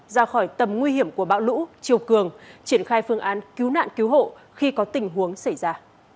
ra khỏi tầm nguy hiểm của bão lũ chiều cường triển khai phương án cứu nạn cứu hộ khi có tình huống xảy ra